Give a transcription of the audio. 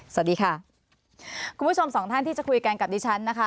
สวัสดีค่ะคุณผู้ชมสองท่านที่จะคุยกันกับดิฉันนะคะ